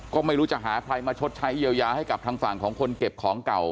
ก็ไม่รู้จะหาใครมาชดใช้เยียวยาให้กับทางฝั่งของคนเก็บของเก่า